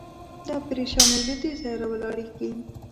دا پرېشاني له دې ځایه راولاړېږي.